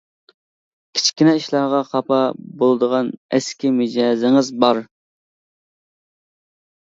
كىچىككىنە ئىشلارغا خاپا بولىدىغان ئەسكى مىجەزىڭىز بار.